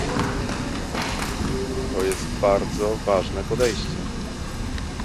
To jest bardzo ważne podejście